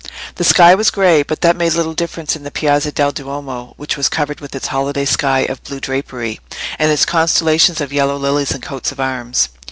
The sky was grey, but that made little difference in the Piazza del Duomo, which was covered with its holiday sky of blue drapery, and its constellations of yellow lilies and coats of arms.